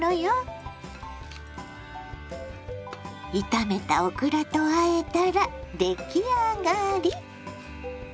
炒めたオクラとあえたら出来上がり。